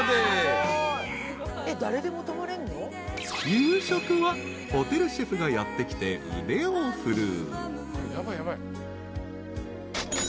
［夕食はホテルシェフがやって来て腕を振るう］